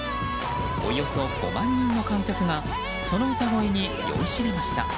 およそ５万人の観客がその歌声に酔いしれました。